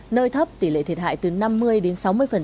nơi thấp tỷ lệ thiệt hại từ năm mươi đến sáu mươi